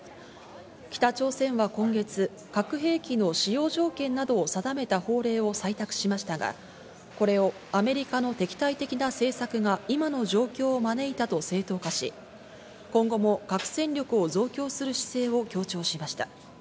北朝鮮は今月、核兵器の使用条件などを定めた法令を採択しましたが、これをアメリカの敵対的な政策が今の状況を招いたと正当化し、今後も核戦力を増強する姿勢を強調しました。